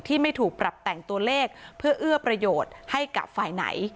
ไม่ถูกปรับแต่งตัวเลขเพื่อเอื้อประโยชน์ให้กับฝ่ายไหน